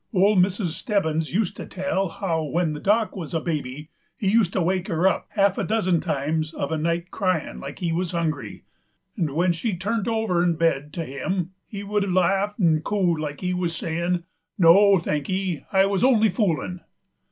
Ol' Mrs. Stebbins used to tell how when the Dock wuz a baby he used to wake her up haff a dozen times uv a night cryin' like he wuz hungry, 'nd when she turnt over in bed to him he w'u'd laff 'nd coo like he wuz sayin', "No, thank ye I wuz only foolin'!"